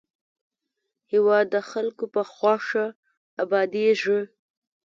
هېواد د خلکو په خوښه ابادېږي.